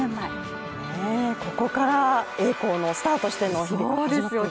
ここから栄光のスタートしての日々が始まっていくわけですね。